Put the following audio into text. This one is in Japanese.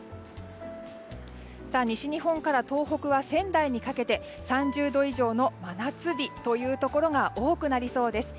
西日本から東北は仙台にかけて３０度以上の真夏日が多くなりそうです。